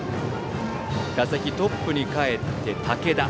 打席はトップにかえって武田。